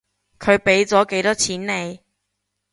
佢畀咗幾多錢你？